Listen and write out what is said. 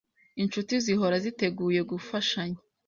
Inshuti zihora ziteguye gufashanya